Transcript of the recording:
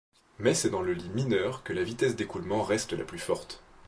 Mais c'est dans le lit mineur que la vitesse d'écoulement reste la plus forte.